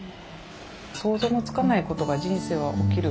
想像もつかないことが人生は起きる。